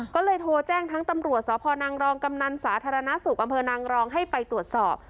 ก็เลยโทรแจ้งทั้งตำรวจสพนังรองกำนันสาธารณสุขอำเภอนางรองให้ไปตรวจสอบ